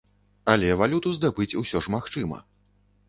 Але валюту здабыць усё ж магчыма.